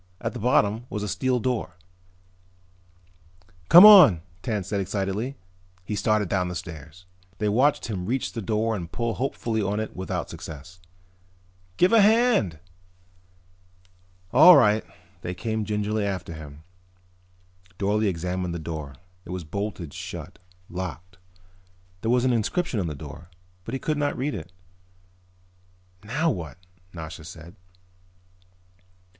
At the bottom was a steel door. "Come on," Tance said excitedly. He started down the stairs. They watched him reach the door and pull hopefully on it without success. "Give a hand!" "All right." They came gingerly after him. Dorle examined the door. It was bolted shut, locked. There was an inscription on the door but he could not read it. "Now what?" Nasha said.